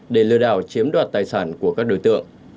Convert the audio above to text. để lừa đảo chiếm đoạt tài sản của các đối tượng